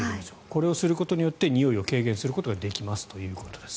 これをすることによってにおいを軽減することができるということです。